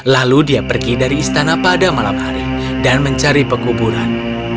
lalu dia pergi dari istana pada malam hari dan mencari pekuburan